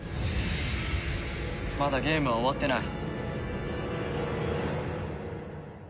まだゲームは終わってない。